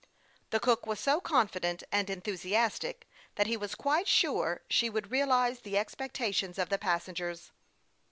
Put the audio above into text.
The cook was so con fident and enthusiastic that he was quite sure she would realize the expectations of the passengers.